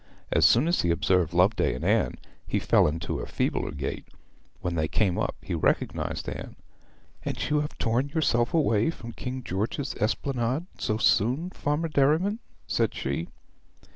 As soon as he observed Loveday and Anne, he fell into a feebler gait; when they came up he recognized Anne. 'And you have torn yourself away from King George's Esplanade so soon, Farmer Derriman?' said she.